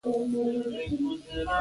• باران د ښاري هوا پاکوي.